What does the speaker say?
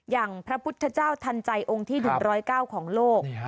อย่างพระพุทธเจ้าทันใจองค์ที่๑๐๙ของโลก